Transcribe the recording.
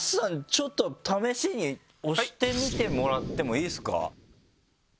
ちょっと試しに押してみてもらってもいいですか？